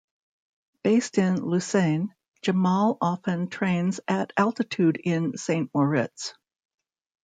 Based in Lausanne, Jamal often trains at altitude in Saint Moritz.